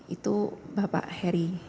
itu bapak heri